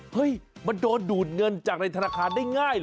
เฮ้ยมันโดนดูดเงินจากในธนาคารได้ง่ายเหรอ